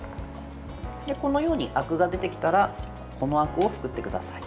このように、あくが出てきたらこのあくをすくってください。